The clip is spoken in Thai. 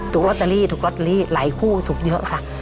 ลอตเตอรี่ถูกลอตเตอรี่หลายคู่ถูกเยอะค่ะ